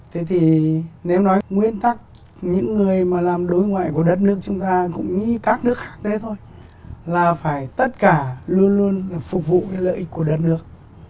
thế thì nếu nói nguyên tắc những người mà làm đối ngoại của đất nước chúng ta cũng như các nước khác thế thôi là phải tất cả luôn luôn là phục vụ cái lợi ích của đất nước